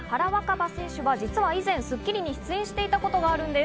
花選手は実は以前『スッキリ』に出演していたことがあるんです。